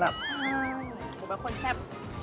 ใช่ผมเป็นคนแทบ